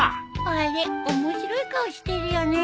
あれ面白い顔してるよね。